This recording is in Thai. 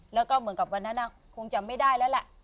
แล้วก็เหมือนกับวันนั้นคงจำไม่ได้แล้วแหละ